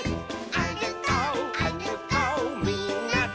「あるこうあるこうみんなで」